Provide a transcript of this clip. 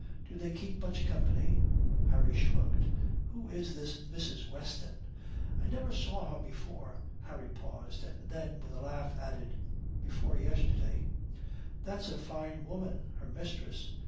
Do they keep much company?" Harry shrugged. "Who is this Mrs. Weston?" "I never saw her before." Harry paused, and then with a laugh added "before yesterday." "That's a fine woman, her mistress.